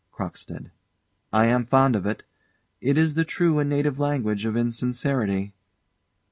CROCKSTEAD. I am fond of it. It is the true and native language of insincerity.